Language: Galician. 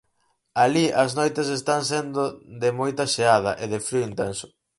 Alí as noites están sendo de moita xeada e de frío intenso.